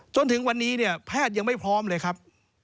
จนถึงวันนี้เนี่ยแพทย์ยังไม่พร้อมเลยครับ